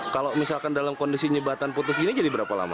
kalau misalkan dalam kondisi nyebatan putus gini jadi berapa lama